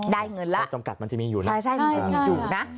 ได้เงินแล้วความจำกัดมันจะมีอยู่นะ